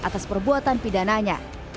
atas perbuatan pidananya